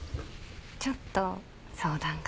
ちょっと相談が。